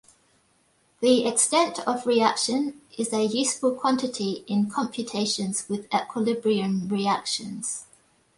The extent of reaction is a useful quantity in computations with equilibrium reactions.